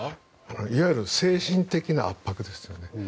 いわゆる精神的な圧迫ですね。